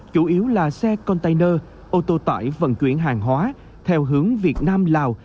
chủ yếu là xe container ô tô tải vận chuyển hàng hóa theo hướng việt nam lào